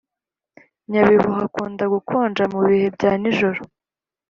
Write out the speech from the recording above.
Nyabihu hakunda gukonja mubihe bya nijoro